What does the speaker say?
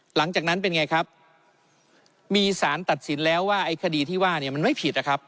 หลังจากนั้นเป็นไงครับมีสารตัดสินแล้วว่าไอ้คดีที่ว่าเนี่ยมันไม่ผิดนะครับ